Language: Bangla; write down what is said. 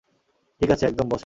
ঠিকাছে, একদম, বসেন।